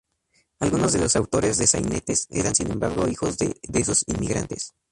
Algunos de los autores de sainetes eran sin embargo hijos de esos inmigrantes.